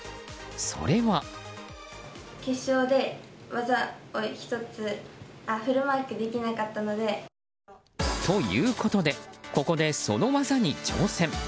それは。ということでここでその技に挑戦。